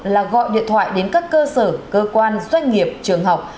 là gọi điện thoại đến các cơ sở cơ quan doanh nghiệp trường học